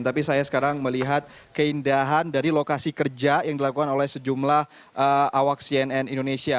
tapi saya sekarang melihat keindahan dari lokasi kerja yang dilakukan oleh sejumlah awak cnn indonesia